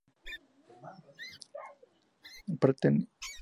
Pertenece a la plantilla del Kumanovo de República de Macedonia.